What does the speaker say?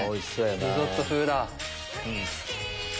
リゾット風だ。